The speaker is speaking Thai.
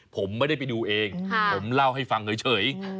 ผมไม่ได้ไปดูเองผมเล่าให้ฟังเฉย